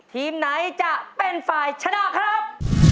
ทีมไหนจะเป็นฝ่ายชนะครับ